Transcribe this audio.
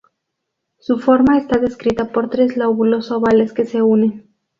Su forma está descrita por tres lóbulos ovales que se unen.